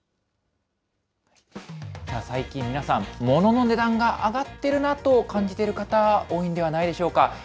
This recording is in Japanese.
最近皆さん、ものの値段が上がってるなと感じている方、多いんではないでしょうか。